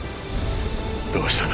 どうしたの？